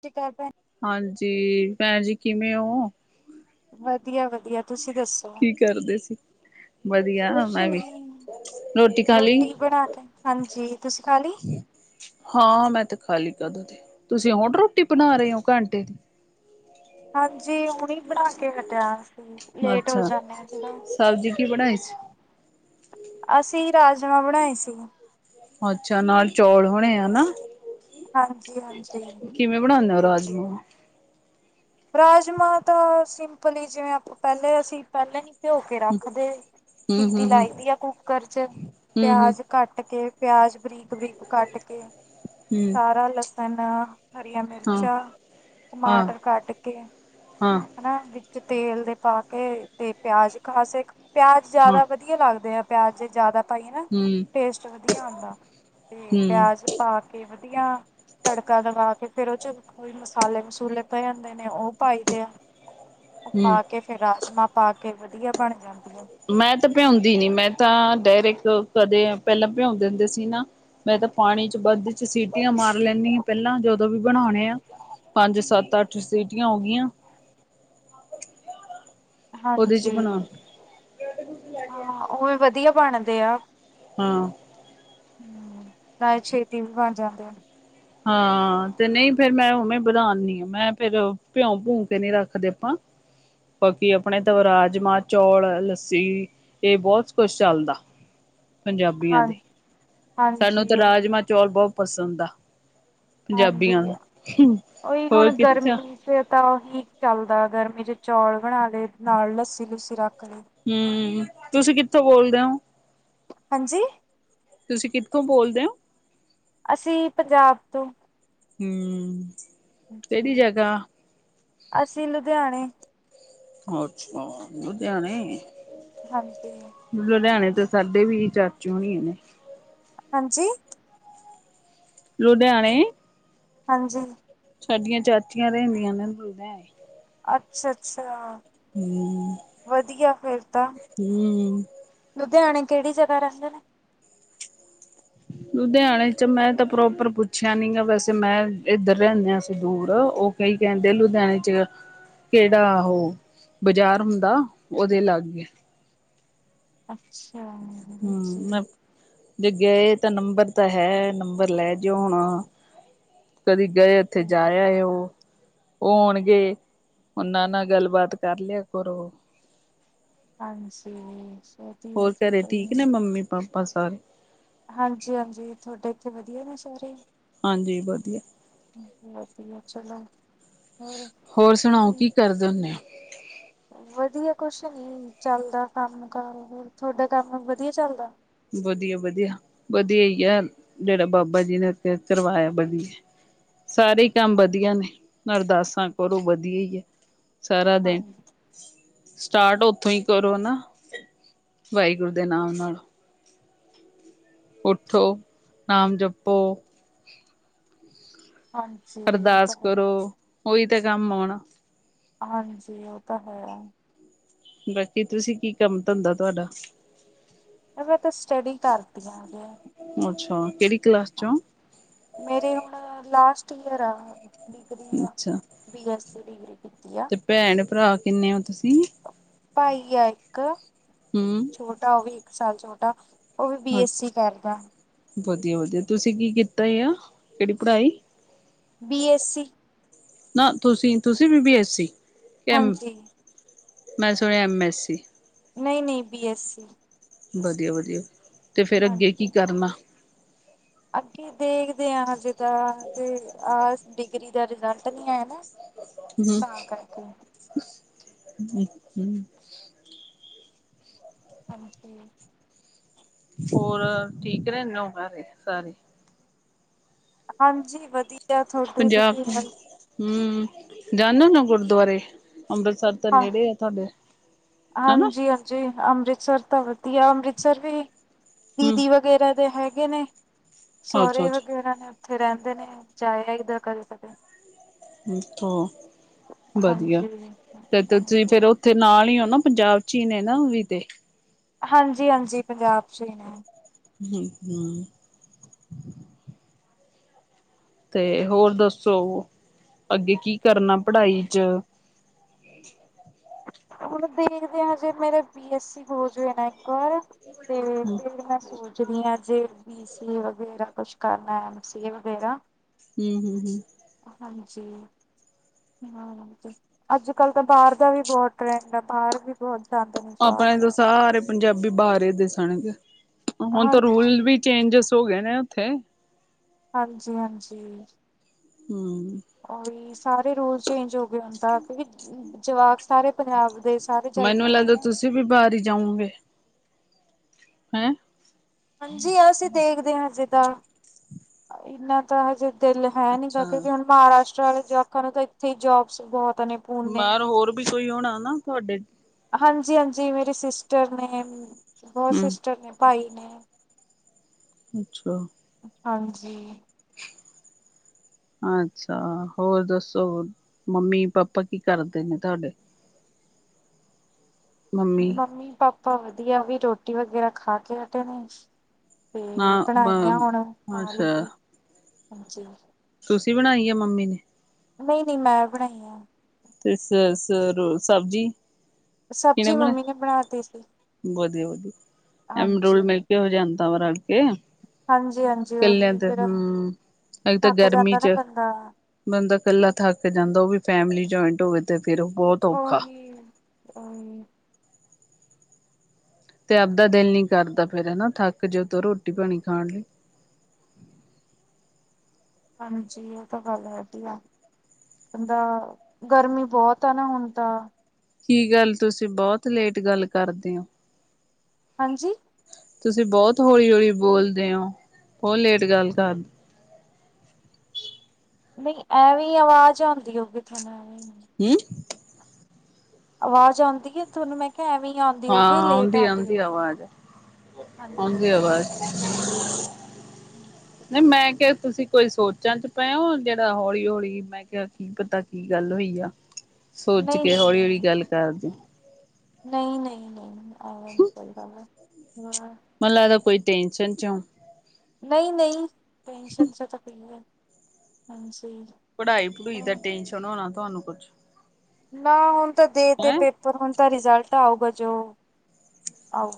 ਸਤਿ ਸ਼੍ਰੀ ਅਕਾਲ ਭੈਣ ਹਾਂਜੀ, ਭੈਣ ਜੀ ਕਿਵੇਂ ਹੋ ਵਧੀਆ-ਵਧੀਆ ਕੀ ਕਰਦੇ ਸੀ ਵਧੀਆ ਕੁਛ ਮੈਂ ਵੀ ਨੀ ਰੋਟੀ ਖਾ ਲਈ ਬਣਾ ਕੇ ਹਾਂਜੀ ਤੁਸੀਂ ਖਾ ਲਈ ਹਾਂ, ਮੈਂ ਤੇ ਖਾ ਲਈ ਕਦੋਂ ਦੀ। ਤੁਸੀਂ ਹੁਣ ਰੋਟੀ ਬਣਾ ਰਹੇ ਹੋ ਘੰਟੇ ਦੀ ਹਾਂਜੀ ਹੁਣ ਬਣਾ ਕੇ ਹਟਿਆ ਅਸੀ, ਲੇਟ ਹੋ ਅੱਛਾ ਜਾਂਦੇ ਹ ਥੋੜਾ ਸਬਜ਼ੀ ਕੀ ਬਣਾਈ ਸੀ? ਅਸੀਂ ਰਾਜਮਾਂ ਬਣਾਏ ਸੀ। ਅੱਛਾ ਨਾਲ ਚੌਲ ਹੋਣੇ ਹਨਾ। ਹਾਂਜੀ ਹਾਂਜੀ ਕਿਵੇਂ ਬਣਾਂਦੇ ਉਹ ਰਾਜਮਾ ਰਾਜਮਾਂ ਤਾਂ ਸਿੰਪਲ ਹੀ ਜਿਵੇਂ ਪਹਿਲੇ ਅਸੀਂ ਪਹਿਲੇ ਭਿਓਂ ਕੇ ਰੱਖਦੇ ਹੂੰ ਹੂੰ ਸੀਟੀ ਹੂੰ ਲਾਈ ਦੀ ਆ ਕੁੱਕਰ ਚ ਹੂੰ ਹੂੰ ਹੂੰ ਪਿਆਜ਼ ਕੱਟ ਕੇ ਪਿਆਜ ਬਰੀਕ-ਬਰੀਕ ਕੱਟ ਕੇ ਹੂੰ ਸਾਰਾ ਲਸ ਤਨ ਹਰੀਆਂ ਹਾਂ ਮਿਰਚਾਂ ਹਾਂ ਟਮਾਟਰ ਕੱਟ ਪਿਆ ਹਾਂ ਹਨਾ ਵਿ ਚ ਤੇਲ ਦੇ ਪਾ ਕੇ ਤੇ ਪਿਆਜ ਖਾਸੇ ਕੇ- ਪਿਆਜ ਹਾਂ ਜ਼ਿਆਦਾ ਵਧੀਆ ਲੱਗਦੇ ਆ। ਪਿਆਜ ਜੇ ਜਿਆਦਾ ਪਾਈਏ ਨਾ ਹੂੰ ਟੇਸਟ ਵਧੀਆ ਆਂਦਾ ਤੇ ਹੂੰ ਪਿਆਜ ਪਾ ਕੇ ਵਧੀਆ ਤੜਕਾ ਦਵਾ ਕੇ ਫੇਰ ਉਹ ਚ ਕੋਈ ਮਸਾਲੇ ਮਸੂਲੇ ਪਏ ਜਾਂਦੇ ਨੇ ਉਹ ਪਾਈ ਦੇ ਆ। ਉਹ ਹੂੰ ਪਾ ਕੇ ਫੇਰ ਰਾਜਮਾਂ ਪਾ ਕੇ ਵਧੀਆ ਬਣ ਜਾਂਦਾ। ਮੈਂ ਤਾਂ ਭਿਆਉਂਦੀ ਨੀ ਮੈਂ ਤਾਂ ਡਾਇਰੈਕਟ ਕਦੇ ਪਹਿਲਾਂ ਭਿਆਉਂ ਦਿੰਦੇ ਸੀ ਨਾ ਮੈਂ ਤਾਂ ਪਾਣੀ ਚ ਵੱਧ ਸੀਟੀਆਂ ਮਾਰ ਲੈਂਦੀ ਹ ਪਹਿਲਾਂ ਜਦੋਂ ਵੀ ਬਣਾਉਣੇ ਆ ਪੰਜ ਸੱਤ ਅੱਠ ਸੀਟੀਆਂ ਹੋ ਗਈਆਂ ਉਹਦੇ ਚ ਹਾਂਜੀ ਬਣਾ ਹਾਂ ਉਹ ਵੀ ਵਧੀਆ ਬਣ ਅਤੇਿਆ ਹਾਂ ਹਮ ਤਾਂ ਛੇਤੀ ਵੀ ਬਣ ਜਾਂਦੇ ਆ ਹਾਂ ਤੇ ਨਹੀਂ ਫੇਿਰ ਮੈਂ ਉਵੇਂ ਵਧਾਉਂਦੀ ਆ ਮੈਂ ਫੇਿਰ ਭਿਉ ਭੂੰ ਕੇ ਨਹੀਂੀ ਰੱਖਦੇ ਆਪਾਂ ਬਾਕੀ ਆਪਣੇ ਤ ਰਾਜਮਾਂ ਚੌਲ ਲੱਸੀ ਇਹ ਬਹੁਤ ਕੁਛ ਚੱਲਦਾ ਪੰਜਾਬੀਆਂ ਹਾਂ ਦੇ ਸਾਨੂੰ ਤਾਂ ਹਾਂਜੀ ਉਹੀ ਰਾਜਮਾਂ ਚੌਲ ਬਹੁਤ ਪਸੰਦ ਆ ਹਾਂਜੀ ਪੰਜਾਬੀਆਂ ਦਾ ਉਹੀ ਹੋਰ ਹੁਣ ਕਿੱਥੇ ਗਰਮੀ ਚ ਤਾਂ ਉਹੀ ਚੱਲਦਾ ਗਰਮੀ ਮੇਰੇ ਚੌਲ ਬਣਾ ਲਏ ਨਾਲ ਲੱਸੀ ਲੁੱਸੀ ਰੱਖ ਲਈ ਹਮ ਤੁਸੀਂ ਕਿੱਥੋਂ ਬੋਲਦੇ ਹੋ ਹਾਂਜੀ ਤੁਸੀਂ ਕਿੱਥੋਂ ਬੋਲਦੇ ਹੋ ਅਸੀਂ ਪੰਜਾਬ ਤੋਂ ਹਮ ਅਸੀਂ ਲੁਧਿਆਣੇ ਅੱਛਾ ਉਹਨੂੰ ਤੇਿਆਣੇ ਹਾਂਜੀ ਤੇ ਸਾਡੇ ਵੀ ਚਾਚੀ ਹੋਣੀ ਇਹ ਨੇੇ ਹਾਂਜੀ ਲੁਧਿਆਣੇ ਹਾਂਜੀ ਸਾਡੀਆਂ ਚਾਚੀਆਂ ਰਹਿੰਦੀਆਂ ਨੇ ਬੋਲਦਾਏ ਅੱਛਾ ਅੱਛਾ ਹੂੰ, ਵਧੀਆ ਫੇਿਰ ਤਾਂ ਹੂੰ। ਲੁਧਿਆਣੇ ਕਿਹੜੀ ਜਗਾ ਰਹਿੰਦੇ ਨੇ ਲੁਧਿਆਣੇ ਚ ਮੈਂ ਤਾਂ ਪ੍ਰੋਪਰ ਪੁੱਛਿਆ ਨੀ ਗ ਵੈਸੇ ਮੈਂ ਇੱਧਰ ਰਹਿੰਦੇ ਆ ਸ ਦੂਰ ਉਹ ਕਈ ਕਹਿੰਦੇ ਲੁਧਿਆਣੇ ਚ ਕਿਹੜਾ ਉਹ ਬਾਜ਼ਾਰ ਹੁੰਦਾ ਉਹਦੇ ਲਾਗ ਅੱਛਾ ਹਮ ਹਾਂਜੀ ਮੈਂ ਜੇ ਗਏ ਤਾਂ ਨੰਬਰ ਤਾਂ ਹੈ ਨੰਬਰ ਲੈ ਜਓ ਹੁਣ ਕਦੀ ਗਏ ਉੱਥੇ ਜਾਆ ਹੈ ਉਹ ਉਹ ਹੋਣਗੇ ਉਹਨਾਂ ਨਾਲ ਗੱਲਬਾਤ ਕਰ ਲਿਆ ਕਰ ਉਹ ਹਾਂਜੀ ਵਧੀਆ ਹੋਰ ਜੀ ਘਰੇ ਕੋਈ ਠੀਕ ਨੀ ਨੇ ਮੰਮੀ ਪਾਪਾਂ ਸਰ ਹਾਂਜੀ ਹਾਂਜੀ ਤੁਹਾਡੇ ਇੱਥੇ ਵਧੀਆ ਮ ਸਾਰੇ ਹਾਂਜੀ ਵਧੀਆ ਵਧੀਆ ਚਲੋ ਹੋਰ ਹੋਰ ਸੁਣਾਓ ਕੀ ਕਰਦੇ ਹੁੰੇ ਆ ਹ ਵਧੀਆ ਕੁਛ ਨੀ ਚੱਲਦਾ ਕੰਮ ਕਾਰ ਤੁਹਾਡਾ ਕੰਮ ਵਧੀਆ ਚੱਲਦਾ ਵਧੀਆ ਵਧੀਆ ਵਧੀਆ ਹੀ ਆ ਜਿਹੜਾ ਬਾਬਾ ਜੀ ਨੇੱਥੇ ਕਰਵਾਇਆ ਵਧੀਆ ਸਾਰੇ ਹੀ ਕੰਮ ਹਾਂ ਵਧੀਆ ਨੇ ਮਰਦਾਸ ਕਰਰੋਂ ਵਧੀਆ ਹੀ ਹੈ ਸਾਰਾ ਦੇਣ ਸਟਾਰਟ ਉੱਥੋਂ ਹੀ ਕਰੋਨਾ ਵਾਹਿਗੁਰੂ ਦੇ ਨਾਮ ਨਾਲੋਂ ਉੱਠੋ ਨਾਮ ਜਪੋ ਹਾਂਜੀ ਉਹ ਤਾਂ ਅਰਦਾਸ ਕਰੋ ਉਹੀ ਤੇ ਕੰਮ ਆਉਣਾ ਹਾਂਜੀ ਉਹ ਤਾਂ ਹੈ ਬਾਕੀ ਤੁਸੀਂ ਕੀ ਕੰਮ ਧੰਦਾ ਤੁਹਾਡਾ ਮੈਂ ਤਾਂ ਸਟੱਡੀ ਕਰਦੀ ਹ ਗ ਅੱਛਾ ਕਿਹੜੀ ਕਲਾਸ ਾਂ ਚੋਂ ਮੇਰੇ ਹੁਣ ਲਾਸਟ ਘਰਾ ਅੱਛਾ ਡਿਗਰੀ ਕੀਤੀ ਆ। ਤੇ ਭੈਣ ਭਰਾ ਕਿੰਨੇ ਹੋ ਤੁਸੀਂ ਭਾਈ ਆ ਇੱਕ ਹਮ ਛੋਟਾ ਉਹ ਵੀ ਕਿਸ ਸਾਲ ਛੋਟਾ ਉਹ ਵੀ ਬੀਐੱਸਸੀ ਕਰਦਾ ਵਧੀਆ ਵਧੀਆ ਤੁਸੀਂ ਕੀ ਕੀਤਾ ਆ ਕਿਹੜੀ ਪੜ੍ਹਾਈ ਬੀ ਐੱਸਸੀ ਨਾ ਤੁਸੀਂ ਤੁਸੀਂ B B S C M ਹਾਂਜੀ ਮੈਂ ਸੁਣਿਆ ਐਮ ਐੱਸ ਸੀ ਨਹੀਂ ਨਹੀਂ ਬੀ ਐੱਸ ਸੀ ਵਧੀਆ ਵਧੀਆ ਤੇ ਫੇਿਰ ਅੱਗੇ ਕੀ ਹਾਂਜੀ ਕਰਨਾ ਅੱਗੇ ਦੇਖਦੇ ਹ ਹਜੇਦ ਤੇ ਆ ਡਿਗਰੀ ਦਾ ਰਿਜ਼ਲਟ ਨ ਆ ਨਾ ਹਮ ਤਾਂ ਕਰਕੇ [inaudible] ਹਾਂਜੀ। ਹੋਰ ਠੀਕ ਰਹਿੰਨੇ ਹੋ ਸਾਰੇ, ਸਾਰੇ? ਹਾਂਜੀ ਵਧੀ ਪੰਜਾਬ ਤੋਂ ਹੂੰ, ਜਾਂ ਨਾ-ਨਾ ਗੁਰਦੁਆਰੇ ਅੰਮ੍ਰਿਤਸਰ ਤੇ ਨੇੜੇ ਐ ਤੁਹਾਡੇ। ਹਨਾ ਹਾਂਜੀ-ਹਾਂਜੀ, ਅੰਮ੍ਰਿਤਸਰ ਤਾ ਵਧੀਆ ਅੰਮ੍ਰਿਤਸਰ ਵੀ ਹਮ ਦੀਦੀ ਵਗੈਰਾ ਦੇ ਹੈਗ ਹੈਗੇ ਨੇ। ਅੱਛਾ ਸਹੁਰੇ ਅੱਛਾ ਵਗੈਰਾ ਨੇ। ਉੱਥੇ ਰਹਿੰਦੇ ਨੇ, ਜਾਏ ਆਈਦਾ ਕਦੇ-ਕਦੇ। ਅੱਛਾ ਵਧੀਆ ਹਾਂਜੀ ਹਾਂਜੀ ਤੇ ਤੁਸੀਂ ਫੇਰ ਉੱਥੇ ਨਾਲ ਹੀ ਹੋ ਨਾ? ਪੰਜਾਬ ਚ ਹੀ ਨੇ ਨਾ ਉਹ ਵੀ ਤੇ। ਹਾਂਜੀ-ਹਾਂਜੀ, ਪੰਜਾਬ ਚ ਹੀ ਨੇ। ਹੂੰ। ਤੇ ਹੋਰ ਦੱਸੋ ਅੱਗੇ ਕੀ ਕਰਨਾ ਪੜ੍ਹਾਈ ਚ? ਹੁਣ ਦੇਖਦੇ ਹਾਂ ਜੇ ਮੇਰੇ ਬੀ ਐੱਸ ਸੀ ਹੋਜਏ ਨਾ ਇੱਕ ਵਾਰ ਤੇ ਹਮ ਫਿਰ ਮੈਂ ਸੋਚਦੀ ਆਂ। ਜੇ ਬੀ ਸੀ ਏ ਵਗੈਰਾ ਕੁਛ ਕਰਨਾ, ਐਮ ਸੀ ਏ ਵਗੈਰਾ। ਹੂੰ, ਹੂੰ, ਹੂੰ। ਹਾਂਜੀ, ਹਾਂਜੀ ਅੱਜ ਕਲ ਤਾਂ ਬਾਹਰ ਦਾ ਵੀ ਬਹੁਤ ਟਰੈਂਡ ਆ ਬਾਹਰ ਵੀ ਬਹੋਤ ਆਪਣੇ ਤਾਂ ਸਾਰੇ ਪੰਜਾਬੀ ਬਾਹਾਰ ਈ ਦਿਸਣਗੇ। ਹੁਨ ਤੇ ਰੂਲ ਹਾਂਜੀ ਵੀ ਚੇਂਜਸ ਹੋ ਗੇ ਨੇ ਉੱਥੇ। ਹਾਂਜੀ-ਹਾਂਜੀ। ਹੂੰ। ਉਹ ਵੀ ਸਾਰੇ ਰੂਲ ਚੇਂਜ ਹੋ ਵੀ ਹੁੰਦਾ ਕਿਉਂਕਿ ਜਵਾਕ ਸਾਰੇ ਪੰਜਾਬ ਦੇ ਸਾਰੇ ਜਾਈ ਮੈਨੂੰ ਜਾਂਦੇ ਲੱਗਦਾ, ਨਾ ਤੁਸੀਂ ਵੀ ਬਾਹਰ ਹੀ ਜਾਓਗੇ। ਹੈਂ? ਹਾਂਜੀ, ਅਸੀਂ ਦੇਖਦੇ ਆ ਅਜੇ ਦਾ, ਇੰਨਾ ਤਾਂ ਅਜੇ ਦਿਲ ਹੈ ਨੀ ਗਾ, ਅੱਛਾ ਕਿਉਂਕਿ ਹੁਣ ਬਾਰਾ ਜਵਾਕਾਂ ਨੂੰ ਤਾਂ ਇੱਥੇ ਹੀ ਜੋਬਸ ਬਹੁਤ ਨੇ ਪੂਨੇ ਬਾਹਰ ਹੋਰ ਵੀ ਕਈ ਹੋਣਾ? ਹਨਾ ਤੁਹਾਡੇ? ਹਾਂਜੀ-ਹਾਂਜੀ, ਮੇਰੇ ਸਿਸਟਰ ਨੇ। ਹੋਰ ਹੂੰ ਸਿਸਟਰ ਨੇ ਭਾਈ [unintelligible] ਅੱਛਾ, ਹਾਂਜੀ, ਅੱਛਾ, ਹੋਰ ਦੱਸੋ ਮੰਮੀ ਪਾਪਾ ਕੀ ਕਰਦੇ ਨੇ ਤੁਹਾਡੇ? ਮੰਮੀ ਪਾਪ ਪਾਂ ਵਧੀਆ, ਉਹ ਵੀ ਰੋਟੀ ਵਗੈਰਾ ਖਾ ਕੇ ਹਟੇ ਨੇ। ਤੇ ਨਾ ਬਣਾਈ ਆ ਹੁਣ, ਆ ਅੱਛਾ ਲੁਬੇ [unintelligible] ਹਾਂਜੀ, ਤੁਸੀਂ ਬਣਾਈ ਆ ਜਾਂ ਮੰਮੀ ਨੇ? ਨਹੀਂ-ਨਹੀਂ ਮੈਂ ਬਣਾਈ ਆ। ਤੇ ਸ ਸ ਸਬਜ਼ੀ? ਸਬਜ਼ੀ ਮੰਮੀ ਨੇ ਬਣਾਤੀ ਸੀ। ਵਧੀਆ-ਵਧੀਆ, ਐਮ ਹਾਂਜੀ ਰੋਲ ਮਿਲਕੇ ਹੋ ਜਾ [unintelligible] ਆ ਹਾਂਜੀ ਹਾਂਜੀ ਇਕੱਲਿਆਂ ਉਹੀ ਤੇ ਫੇਰ ਹੂੰ ਇਕ ਤਾਂ ਥੱਕ ਗਰਮੀ ਜਾਂਦਾ ਨਾ ਚ ਬੰਦਾ ਬੰਦਾ ਇਕੱਲਾ ਥੱਕ ਜਾਂਦਾ, ਉਹ ਵੀ ਫੈਮਿਲੀ ਜੁਆਇੰਟ ਹੋਵੇ ਤੇ ਫੇਰ ਬਹੁਤ ਉਹ ਔਖਾ ਹੀ, ਉਹ ਹੀ। ਤੇ ਆਪਦਾ ਦਿਲ ਨੀ ਕਰਦਾ ਫੇਰ ਹੈਨਾ, ਥੱਕ ਜੋ ਤੇ ਰੋਟੀ ਪਾਣੀ ਖਾਣ ਲਈ। ਹਾਂਜੀਇਹ ਤਾਂ ਗੱਲ ਹੈਗੀ ਆ, ਕਹਦਾ ਦਾ ਗਰਮੀ ਬਹੁਤ ਆ ਨਾ ਹੁਣ ਤਾਂ ਕੀ ਗੱਲ ਤੁਸੀਂ ਬਹੁਤ ਲੇਟ ਗੱਲ ਕਰਦੇ ਹੋ? ਹਾਂਜੀ, ਤੁਸੀਂ ਬਹੁਤ ਹੌਲੀ, ਹੌਲੀ ਬੋਲਦੇ ਹੋ ਬਹੁਤ ਲੇਟ ਗੱਲ ਕਰ ਨਹੀਂ ਐਵੇਂ ਈ ਆਵਾਜ਼ ਆਦੀ ਹੋਗੀ ਤੁਹਾਨੂੰ, ਐਵੇਂ ਕੀ, ਆਵਾਜ਼ ਆਦੀ ਹੈ ਤੁਹਨੂੰ ਮੈਂ ਕਿਹਾ ਐਵੇਂ ਆਉਂਦੀ ਹਾਂ ਹੋਊਗੀ ਲੇਟ ਆਉਦੀ, ਆਉਂਦੀ ਹੋਊਗੀ ਆਵਾਜ਼ ਆਉਂਦੀ ਹਾਂਜੀ ਆਵਾਜ਼। ਨਹੀਂ ਮੈਂ ਕਿਹਾ। ਤੁਸੀਂ ਕੋਈ ਸੋਚਾਂ ਚ ਪਏ ਹੋ ਜਿਹੜਾ ਹੌਲੀ, ਹੌਲੀ ਮੈਂ ਕਿਹਾ ਕੀ ਪਤਾ ਕੀ ਗੱਲ ਹੋਈ ਆ। ਸੋਚ ਨਹੀਂ ਕੇ ਨਹੀਂ ਹੌਲੀ, ਨਹੀਂ ਹੌਲੀ ਗੱਲ ਕਰ ਦਿਓ। ਐਂਵੇ ਨਹੀਂ ਚਲਦਾ ਨਾ। ਮੈਨੂੰ ਲੱਗਦਾ ਕੋਈ ਟੈਂਨਸ਼ਨ ਜ। ਨਹੀਂ, ਨਹੀਂ। ਟੈਂਸ਼ਨ ਚ ਤ ਪਈ ਹੈ। ਹਾਂਜੀ। ਪੜ੍ਹਾਈ ਪੜੁਈ ਦਾ ਹਾਂ। ਟੈਨਸ਼ਨ ਹੋਣਾ। ਧੂਆਨੁ ਕੁੱਛ। ਨਾ ਹੁਣ ਤਾਂ ਦੇ ਤੇ ਪੇਪਰ ਹੁਣ ਤਾਂ ਰਿਜਲਟ ਆਊਗਾ। ਜੋਓ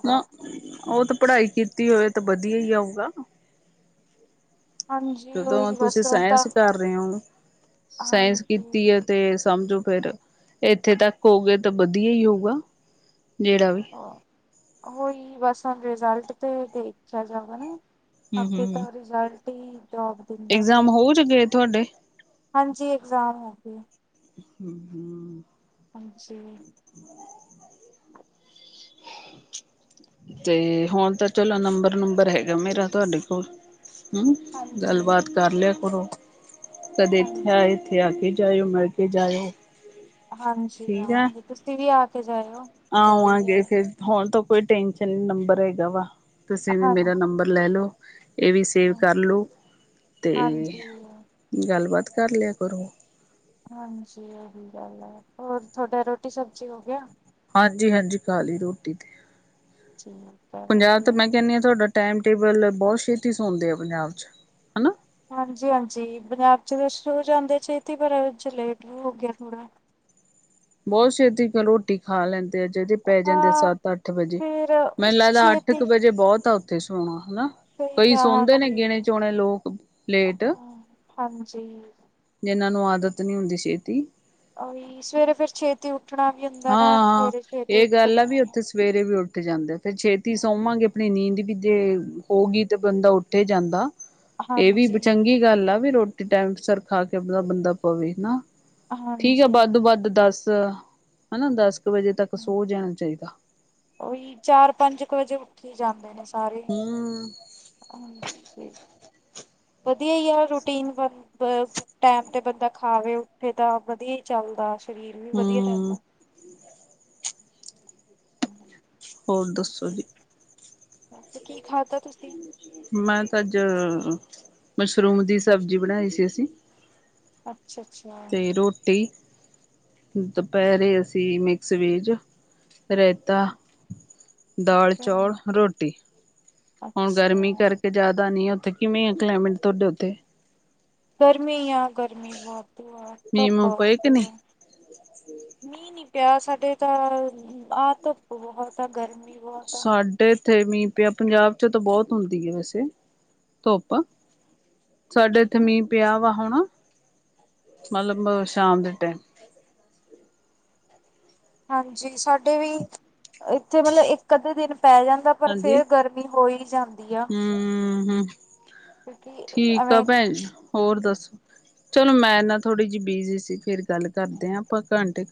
ਨਾ ਉਹ ਤਾਂ ਪੜ੍ਹਾਈ ਕੀਤੀ ਹੋਵੇ ਤਾਂ ਵਧੀਆ ਹੀ ਆਊਗਾ। ਹਾਂਜੀ ਜਦੋਂ ਉਹੀ ਤੁਸੀਂ ਬਸ ਹੁਣ ਤਾਂ ਸਾਇੰਸ ਕਰ ਰਹੇ ਹੋ, ਸਾਇੰਸ ਹਾਂਜੀ ਕੀਤੀ ਹੈ ਤੇ ਸਮਝੋ ਫਿਰ, ਇੱਥੇ ਤੱਕ ਹੋਗੇ ਤਾਂ ਵਧੀਆ ਹੀ ਹੋਗਾ। ਹਾਂ ਉਹੀ ਬੱਸ ਹੁਣ ਰਿਜ਼ਲਟ ਤੇ ਦੇਖਿਆ ਜਾਗਾ ਨਾ। ਹਮ ਅਗੇ ਹਮ ਤਾਂ ਰਿਜ਼ੂਲਟ ਤੇ ਇਗਜ਼ਾਮ ਹੋ ਜਗੇ ਤੁਹਾਡੇ ਹਾਂਜੀ ਇਗਜ਼ਾਮ ਹੋ ਗਏ। ਹਮ, ਹਮ। ਹਾਂਜੀ। ਤੇ ਹੁਣ ਤਾਂ ਚਲੋ ਨੰਬਰ, ਨੰਬਰ ਹੈਗਾ ਮੇਰਾ ਤੁਹਾਡੇ ਕੋਲ। ਹਮ ਹਾਂਜੀ ਗੱਲਬਾਤ ਕਰ ਲਿਆ ਕਰੋ। ਕਦੇ ਇੱਥੇ ਹਾਂਜੀ ਆਏ ਇੱਥੇ ਆ ਕੇ ਜਾਇਓ ਮਰ ਕੇ ਜਾਓ ਹਾਂਜੀ ਆਾਂਗੇ ਤੁਸੀਂ ਵੀ ਆ ਕੇ ਜਾਇਓ ਜਦ ਵੀ ਆਵਾਂਗੇ ਆਏ ਫੇਿਰ ਹੋੁਣ ਤਾਂ ਕੋਈ ਟੈਨਸ਼ਨ ਨਹੀਂ ਨੰਬਰ ਹੈਗਾ ਵਾ ਤੁਸੀਂ ਵੀ ਹਾਂਜੀ ਮੇਰਾ ਨੰਬਰ ਲੈ ਲਓ ਇਹ ਵੀ ਸੇਵ ਹਾਂ ਕਰ ਲਉ ਅਤੇ ਹਾਂਜੀ ਗੱਲਬਾਤ ਕਰ ਲਿਆ ਕਰੋ ਹਾਂਜੀ ਇਹੀ ਗੱਲ ਹੈ ਹੋਰ ਤੁਥਹਾਡਾ ਰੋਟੀ ਸਬਜ਼ੀ ਹੋ ਗਿਆ ਹਾਂਜੀ ਹਾਂਜੀ ਖ ਲਈ ਰੋਟੀ ਤੇ ਠੀ ਕ ਪੰਜਾਬ ਤਾਂ ਵਧੀਆ ਮੈਂ ਕਹਿੰਦੀ ਹਾਂ ਤੁਹਾਡਾ ਟਾਈਮ ਟੇਬਲ ਬਹੁਤ ਛੇਤੀ ਸੌਣਦੇ ਆ ਪੰਜਾਬ ਚ' ਹਨਾ ਹਾਂਜੀ ਹਾਂਜੀ ਪੰਜਾਬ ਚ ਤਾਂ ਸ਼ੁਰ ਹੋ ਜਾਂਦੇ ਚ ਪਰ ਅਜ ਲੇਟ ਵੀ ਹੋ ਗਿਆ ਥੋੜ੍ਹਾ ਬਹੁਤ ਛੇਤਿ ਰੋਟੀ ਖਾ ਲੈਂਦੇ ਜੇ ਪੈ ਜਾਂਦੇ ਹਾਂ ਸੱਤ ਅੱਠ ਵਜੇ ਫਿਰ ਮੈਨੂੰ ਲੱਗਦਾ ਅੱਠ ਕੁ ਛੇਤੀ ਵਜੇ ਬਹੁਤ ਆ ਸੁਣਾਉਣਾ ਹਨਾ ਸਹੀ ਕਈ ਆ ਸੁਣਦੇ ਨੇ ਹਾਂਜੀ ਗਿਣੇ ਚੋਣੇ ਲੋਕ ਲੇਟ ਹਾਂ ਹਾਂਜੀ ਜਿਨਾਂ ਆਦਤ ਨੀ ਹੁੰਦੀ ਛੇਤੀ ਓਹੀ ਸਵੇਰੇ ਫੇਰ ਛੇਤੀ ਉੱਠ ਹਾਂ ਹਾਂ ਇਹ ਗੱਲ ਆ ਵੀ ਨੇ। ਉੱਥੇ ਸਵੇਰੇ ਵੀ ਉੱਠ ਜਾਂਦੇ ਤੇ ਛੇਤੀ ਸੋਵਾਂਗੇ ਆਪਣੀ ਨੀਂਦ ਦੀ ਵੀ ਜੇ ਹੋਗੀਈ ਤੇ ਬੰਦਾ ਉੱਠੇ ਜਾਂਦਾ ਇਹ ਵੀ ਹਾਂਜੀ ਚੰਗੀ ਗੱਲ ਆ ਵੀ ਰੋਟੀ ਟਾਈਮ ਸਰ ਖਾ ਕੇ ਆਪਦਾ ਬੰਦਾ ਪਵੇ ਹਨ ਠੀਕ ਹੈ ਹਾਂਜੀ ਵੱਧ ਤੋਂ ਵੱਧ ਦੱਸ [unintelligible] ਹਨਾ ਦਸ ਇੱਕ ਵਜੇ ਤੱਕ ਸੋ ਜਾਣਾ ਚਾਹੀਦਾ ਉਹੀ ਚਾਰ ਪੰਜ ਕੁ ਵਜੇ ਉੱਠੀ ਜਾਂਦੇ ਨੇ ਸਾਰੇ ਹੂੰ ਵਧੀਆ ਹੀ ਆ ਰੂਟੀਨ ਵ ਟਾਈਮ ਤੇ ਬੰਦਾ ਖਾਵੇ ਉੱਠੇ ਤਾਂ ਵਧੀਆ ਹੀ ਚੱਲਦਾ ਸਰੀਰ ਵੀ ਵਧੀਆ ਹੂੰ ਰਹਿੰਦਾ ਹਮਮ ਹੋਰ ਦੱਸੋ ਜੀ ਅੱਛਾ ਕੀ ਖਾਧਾ ਤੁਸੀਂ ਮੈਂ ਤਾਂ ਅੱਜ ਮਸ਼ਰੂਮ ਦੀ ਸਬਜ਼ੀ ਬਣਾਈ ਸੀ ਅਸੀਂ ਹਾਂ [unintelligible] ਤੇ ਰੋਟੀ ਦੁਪਹਿਰੇ ਅਸੀਂ ਮਿਕਸ ਵੇਜ ਰਾਇਤਾ ਦਾਲ ਅੱਛਾ ਚੌਲ ਰੋਟੀ ਹੁਣ ਅੱਛਾ ਗਰਮੀ ਕਰਕੇ ਜਿਆਦਾ ਨੀ ਕਿਵੇਂ ਆ ਕਲਾਈਮੇਟ ਤੁਹਾਡੇ ਉੱਥੇ ਗਰਮੀ ਆ ਗਰਮੀ ਵਹੁਦੂ ਆ ਮੀਂਹ ਧੂਪ ਮੂੰਹ ਪਏ ਕਿ ਵਦੁ ਨਹੀਂ ਆ ਮੀਹ ਨੀ ਕਿਆ ਸਾਡੇ ਤਾਂ ਆਹ ਧੁੱਪ ਬਹੁਤ ਆ ਗਰਮ ਸਾਡੇ ਇੱਥੇ ਮੀਂਹ ਪਿਆ ਪੰਜਾਬ 'ਚੋਂ ਤਾਂ ਬਹੁਤ ਹੁੰਦੀ ਹੈ ਵੈਸੇ ਧੁੱਪ ਸਾਡੇ ਇੱਥੇ ਮੀਂਹ ਪਿਆ ਵਾ ਹੁਣ ਮਤਲਬ ਸ਼ਾਮ ਦੇ ਟਾਈਮ ਹਾਂਜੀ ਜੀ ਸਾਡੇ ਵੀ ਇੱਥੇ ਮਤਲਬ ਇੱਕ ਅੱਧੇ ਦਿਨ ਪੈ ਜਾਂਦਾ ਪਰ ਹਾਂਜੀ ਫੇਰ ਗਰਮੀ ਹੋ ਹੀ ਜਾਂਦੀ ਧਆ ਹਮ ਹਮ ਠੀਕ ਆ ਭੈਣ ਹੋਰ ਦੱਸੋ ਚਲੋ ਮੈਂ ਨਾ ਥੋੜ੍ਹੀ ਜਿਹੀ ਬਿਜੀ ਸੀ ਫੇਿਰ ਗੱਲ ਕਰਦੇ ਹਾਂ ਆਪਾਂ ਘੰਟੇ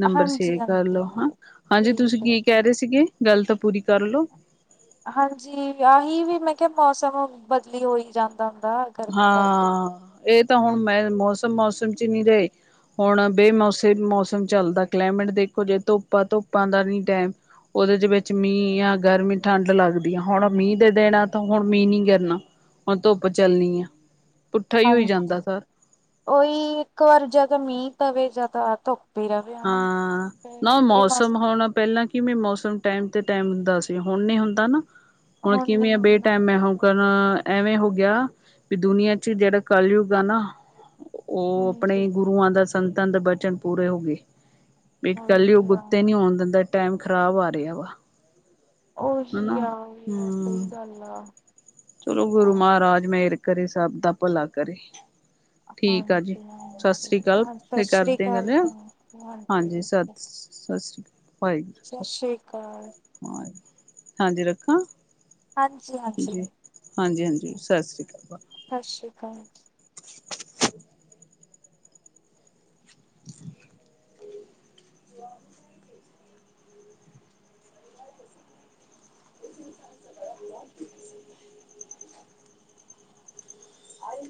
ਨੰਬਰ ਸਵੇ ਹਾਂਜੀ ਕਰ ਲਿਓ ਹਾਂਜੀ ਹਾਂ ਹਾਂਜੀ ਤੁਸੀਂ ਠੀਕ ਹੈ ਕੀ ਜੀ ਕਹਿ ਰਹੇ ਸੀਗੇ ਗੱਲ ਤਾਂ ਪੂਰੀ ਕਰਲੋ ਹਾਂਜੀ ਆਹੀ ਵੀ ਮੈਂ ਕਿਹਾ ਮੌਸਮ ਬਦਲੀ ਹੋਈ ਜਾਂਦਾ ਹਦਾ ਗਰਮੀ ਕਰਕੇ ਹਾਂ ਇਹ ਤਾਂ ਹੁਣ ਮੈਂ ਮੌਸਮ ਮੌਸਮ ਚ ਨਹੀਂੀ ਰਹੇ ਹੁਣ ਬੇਮੌਸ ਮੌਸਮ ਚੱਲਦਾ ਕਲਾਈਮੇਟ ਦੇਖੋ ਜੇ ਧੁੱਪ ਆ ਧੁੱਪਾਂ ਦਾ ਨੀ ਟਾਈਮ ਉਹਦੇ ਦੇ ਵਿੱਚ ਮੀਂਹ ਆ ਗਰਮੀ ਠੰਢ ਲੱਗਦੀ ਆ ਹੁਣ ਮੀਂਹ ਦੇ ਦਿਨ ਆ ਤਾਂ ਹੁਣ ਮੀਂਹ ਨੀ ਗਿਰਨਾ ਹੁਣ ਧੁੱਪ ਚੱਲਦੀੀਆਂ ਹਾਂਜੀ ਉਓਹੀ ਇੱਕ ਵਰ ਜਗਮੀਤ ਵ ਜ਼ਿਆਦਾ ਧੁ ਹਾਂ ਨਾ ਉਹ ਮੌਸਮ ਹੋਣਾ ਪਹਿਲਾਂ ਕਿਵੇਂ ਮੌਸਮ ਟਾਈਮ ਤੇ ਟਾਈਮ ਹੁੰਦਾ ਸੀ ਹੁਣ ਨ ਹੁੰਦਾ ਨਾ ਹੁਣ ਨੀ ਕਿਵੇਂ ਆ ਬੇ ਹੁੰਦਾ ਟਾਈਮ ਮੈਂ ਐਵੇਂ ਹੋ ਗਿਆ ਵੀ ਦੁਨੀਆਂ ਚ ਜਿਹੜਾ ਕਲਯੁਗ ਆ ਨਾ ਉਹ ਹਾਂਜੀ ਆਪਣੇ ਗੁਰੂਆਂ ਦਾ ਸੰਤਾਂ ਦੇ ਬਚਨ ਪੂਰੇ ਹੋ ਗਏ ਵੀ ਉਹੀ ਕਲਯੁਗ ਉਹ ਆ ਗੱਤੇ ਨੀ ਆਂ ਦਿੰਦਾ ਟਾਈਮ ਖ਼ਰਾਬ ਆ ਰਿਹਾ ਵਾ ਉਹੀ ਹਨਾ ਆ ਸਹੀ ਹਮ ਗੱਲ ਆ ਚਲੋ ਗੁਰੂ ਅਹ ਮਹਾਰਾਜ ਮੇਹਰ ਕਰੀ ਸਭ ਦਾ ਭਲਾ ਕਰੀ ਹਾਂਜੀ ਅਕਾਲ ਹਾਂਜੀ ਸਤਿ ਫਿਰ ਸ੍ਰੀ ਕਰਦੇ ਗੱਲ ਅਕਾਲ ਹਾਂਜੀ ਭਾਈ ਜੀ ਸਤਿ ਬਸ ਸ੍ਰੀ ਅਕਾਲ ਆ ਹਾਂਜੀ ਰੱਖ ਹਾਂਜੀ ਹੂ ਹਾਂਜੀ ਜੀ ਹਾਂਜੀ ਹਾਂਜੀ ਸ ਸਰੀ ਅਕਾਲ ਹਾਂਜੀ ਤ ਆ ਕੀ ਮੇਲ ਵੇ ਆਗਾ